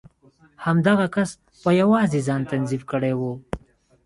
همدغه کس په يوازې ځان تنظيم کړی و.